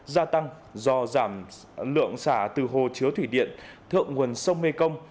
gia tăng do giảm lượng xả từ hồ chứa thủy điện thượng nguồn sông mê công